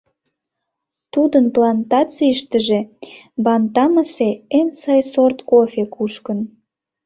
Тудын плантацийыштыже Бантамысе эн сай сорт кофе кушкын...